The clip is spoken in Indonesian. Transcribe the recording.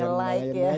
yang nge like ya